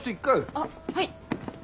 あっはい！